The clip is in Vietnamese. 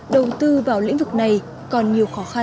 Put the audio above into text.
đầu tư vào lĩnh vực này còn nhiều khó khăn